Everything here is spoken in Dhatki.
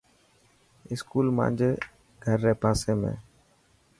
اسڪول مانجي گھر ري پاسي ۾.